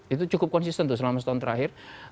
itu cukup konsisten tuh selama setahun terakhir